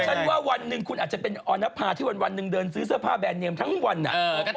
ว่าวันหนึ่งคุณอาจจะเป็นออนภาที่วันหนึ่งเดินซื้อเสื้อผ้าแบรนเนียมทั้งวันอ่ะ